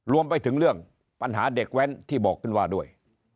รวมไปถึงเรื่องปัญหาเด็กแว้นที่บอกขึ้นว่าด้วย